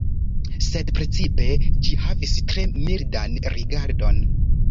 Sed precipe, ĝi havis tre mildan rigardon.